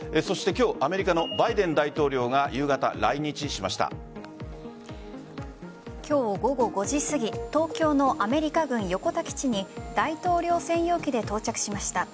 今日アメリカのバイデン大統領が今日午後５時すぎ東京のアメリカ軍横田基地に大統領専用機で到着しました。